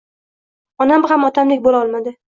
Onam ham otamdek bo‘la olmadi.